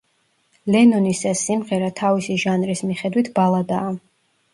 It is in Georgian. ლენონის ეს სიმღერა თავისი ჟანრის მიხედვით ბალადაა.